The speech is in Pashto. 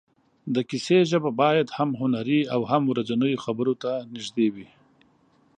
د کیسې ژبه باید هم هنري او هم ورځنیو خبرو ته نږدې وي.